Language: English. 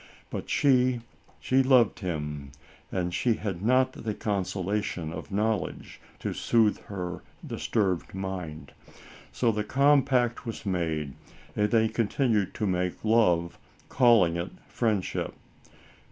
But she — she loved him, N and she had not the consolation of knowledge to soothe her disturbed mind. So the compact was made, and they continued to make love, calling it friendship.